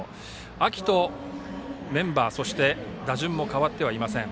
秋とメンバー、打順も変わっていません。